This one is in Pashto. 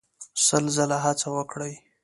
سل ځله هڅه وکړئ.